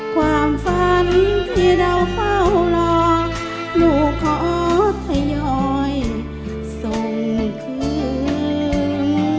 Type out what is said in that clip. ความฝันที่เราเฝ้ารอลูกขอทยอยส่งคืน